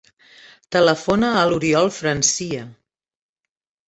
Telefona a l'Oriol Francia.